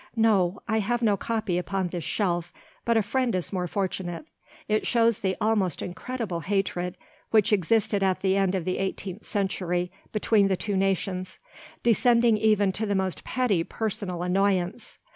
No; I have no copy upon this shelf, but a friend is more fortunate. It shows the almost incredible hatred which existed at the end of the eighteenth century between the two nations, descending even to the most petty personal annoyance.